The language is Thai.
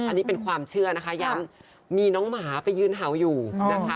อันนี้เป็นความเชื่อนะคะย้ำมีน้องหมาไปยืนเห่าอยู่นะคะ